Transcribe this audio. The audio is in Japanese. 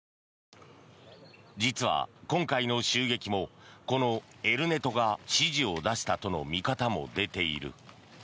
実は、今回の襲撃もこのエル・ネトが指示を出したとの見方も出ている。